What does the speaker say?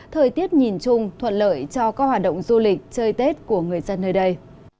thời tiết nhìn chung thuận lợi cho các hoạt động du lịch chơi tết của người dân nơi đây